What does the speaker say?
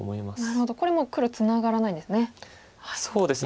これもう黒ツナがらないんですね。